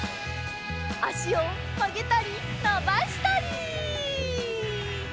あしをまげたりのばしたり！